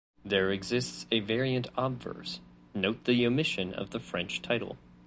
There exists a variant obverse: - note the omission of the French title.